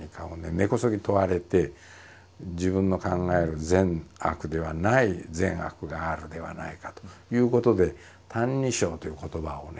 根こそぎ問われて自分の考える善悪ではない善悪があるではないかということで「歎異抄」という言葉をね